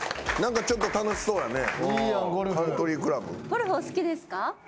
ゴルフお好きですか？